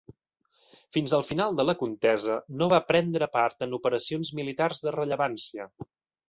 Fins al final de la contesa no va prendre part en operacions militars de rellevància.